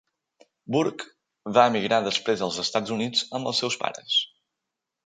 Burke va emigrar després als Estats Units amb els seus pares.